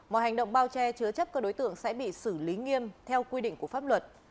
mọi hành động bao che chứa chấp các đối tượng sẽ bị xử lý nghiêm theo quy định của pháp luật